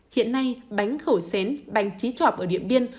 hiện nay bánh khẩu xén bánh trí trọt ở điện biên